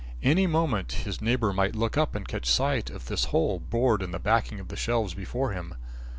Any moment his neighbour might look up and catch sight of this hole bored in the backing of the shelves before him.